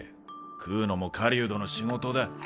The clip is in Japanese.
食うのも狩人の仕事だ。